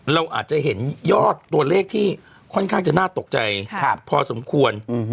เราอาจจะเห็นยอดตัวเลขที่ค่อนข้างจะน่าตกใจพอสมควร